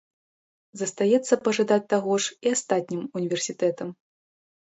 Застаецца пажадаць таго ж і астатнім універсітэтам.